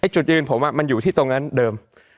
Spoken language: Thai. จุดยืนผมมันอยู่ที่ตรงนั้นเดิม